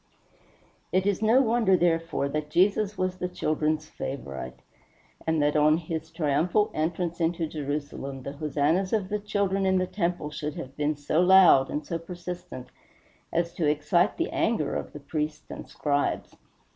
It is no wonder, therefore, that Jesus was the children's favorite, and that on his last triumphal entrance into Jerusalem the hosannas of the children in the temple should have been so loud and so persistent as to excite the anger of the priests and Scribes.